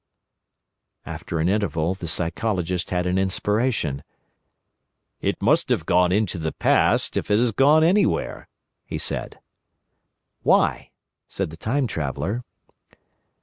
After an interval the Psychologist had an inspiration. "It must have gone into the past if it has gone anywhere," he said. "Why?" said the Time Traveller.